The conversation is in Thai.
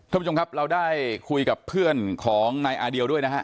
ท่านผู้ชมครับเราได้คุยกับเพื่อนของนายอาเดียวด้วยนะฮะ